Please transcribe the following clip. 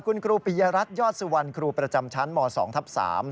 คุณครูปียรัชยศวรครูประจำชั้นหมอ๒ทับ๓